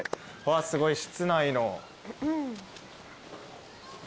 すごい室内の。